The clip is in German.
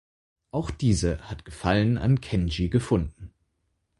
Auch diese hat Gefallen an Kenji gefunden.